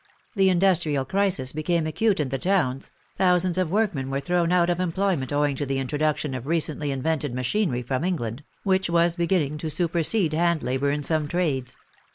The industrial crisis became acute in the towns, thousands of workmen were thrown out of em ployment owing to the introduction of recently invented machinery from England, which was beginning to super sede hand labor in some trades.